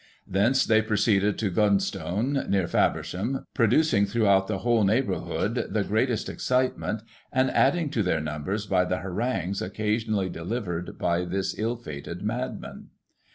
Thence they proceeded to Goodnestone, near Faversham, producing throughout the whole neighbour hood the greatest excitement, and adding to their numbers by the harangues occasionally delivered by this ill fated madman.